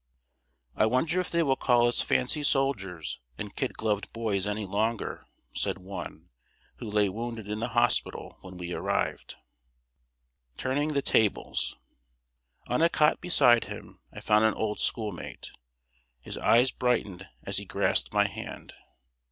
"I wonder if they will call us fancy soldiers and kid gloved boys any longer?" said one, who lay wounded in the hospital when we arrived. [Sidenote: TURNING THE TABLES.] On a cot beside him, I found an old schoolmate. His eye brightened as he grasped my hand.